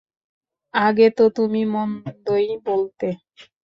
আগে তো তুমি মন্দই বলতে!